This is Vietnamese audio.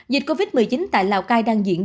dịch covid một mươi chín tại lào cai đang diễn